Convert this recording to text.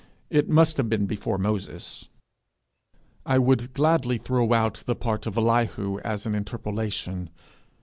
it must have been before Moses. I would gladly throw out the part of Elihu as an interpolation.